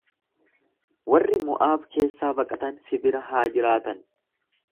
Warri Mo'aab keessaa baqatan si bira haa jiraatan.